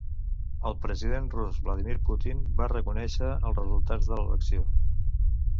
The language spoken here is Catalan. El president rus Vladímir Putin va reconèixer els resultats de l'elecció.